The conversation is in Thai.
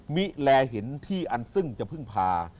มิแลเห็นที่อันซึ่งจะพึ่งพา